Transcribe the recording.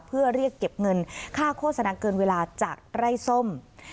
เพื่อเรียกเก็บเงินค่าโฆษณาเกินเวลาจากไร่ส้ม